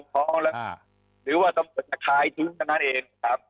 หรือว่าสำรวจจะคายทุเช่นนั้นเองนะครับ